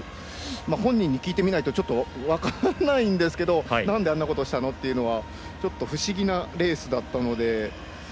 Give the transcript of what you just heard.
本人に聞いてみないと分からないですけどなんであんなことをしたのというのはちょっと不思議なレースだったので。